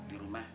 udah deh bapak